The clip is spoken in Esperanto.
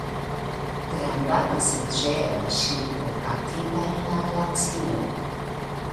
Granda pasaĝera ŝipo kaptita en la glacio.